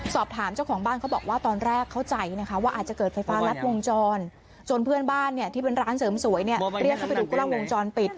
สอบถามเจ้าของบ้านเขาบอกว่าตอนแรกเข้าใจนะคะว่าอาจจะเกิดไฟฟ้ารัดวงจรจนเพื่อนบ้านเนี่ยที่เป็นร้านเสริมสวยเนี่ยเรียกเข้าไปดูกล้องวงจรปิด